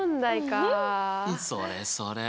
それそれ。